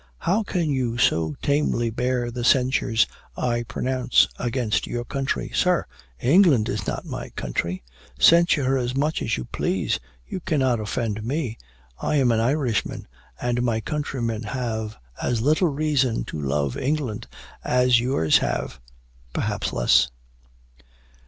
"How can you so tamely bear the censures I pronounce against your country?" "Sir, England is not my country. Censure her as much as you please, you cannot offend me. I am an Irishman, and my countrymen have as little reason to love England as yours have, perhaps less."